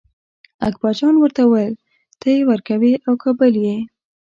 اکبرجان ورته وویل ته یې ورکوې او که بل یې.